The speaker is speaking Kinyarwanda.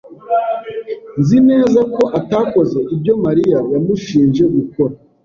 Nzi neza ko atakoze ibyo Mariya yamushinje gukora.